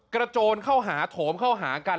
โจรเข้าหาโถมเข้าหากัน